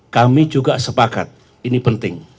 kami juga sepakat ini penting